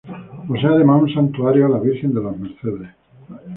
Posee además un Santuario a la Virgen de las Mercedes.